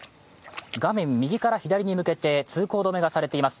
画面右から左に向けて通行止めがされています。